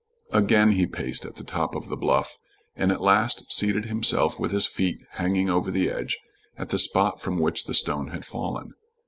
Again he paced the top of the bluff, and at last seated himself with his feet hanging over the edge, at the spot from which the stone had fallen.